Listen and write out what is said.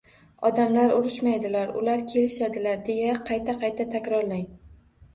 “Odamlar urushmaydilar, ular kelishadilar”, deya qayta-qayta takrorlang.